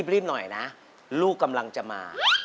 รีบหน่อยนะลูกกำลังจะมา